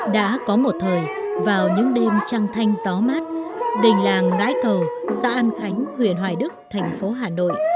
đã có một thời vào những đêm trăng thanh gió mát đình làng ngãi cầu xã an khánh huyện hoài đức thành phố hà nội